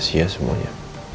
biasa sia sia semuanya